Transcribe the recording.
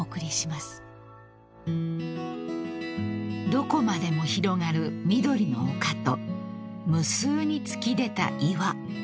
［どこまでも広がる緑の丘と無数に突き出た岩］